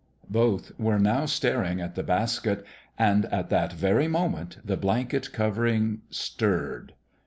Both were now staring at the basket ; and at that very moment the blanket covering stirred!